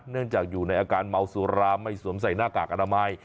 เนื่องจากอยู่ในอาการเมาสุราไม่สวมใส่หน้ากากอนามัย